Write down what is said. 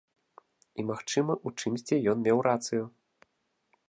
І, магчыма, у чымсьці ён меў рацыю.